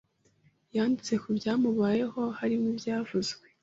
Yanditse ku byamubayeho - harimo ibyavuzwe